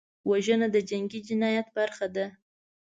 وژنه د جنګي جنایت برخه ده